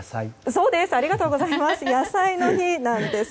そうです！